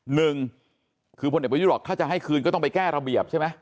หนึ่งคือพลเอกประยุทธ์บอกถ้าจะให้คืนก็ต้องไปแก้ระเบียบใช่ไหม